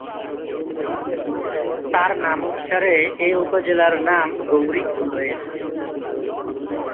তার নাম অনুসারে এ উপজেলার নাম গৌরীপুর হয়েছে।